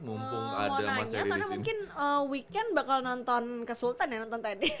mau nanya karena mungkin weekend bakal nonton ke sultan ya nonton tadi